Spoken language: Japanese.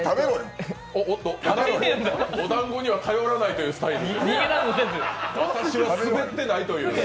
おっと、おだんごには頼らないというスタイル。